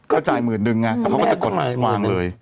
ก็จ่ายหมื่นหนึ่งนะเขาก็จะกดวางเลย